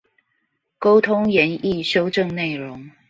溝通研議修正內容